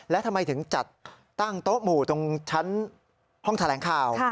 และทำไมถึงจัดตั้งโต๊ะหมู่ตรงชั้นห้องแถลงข่าว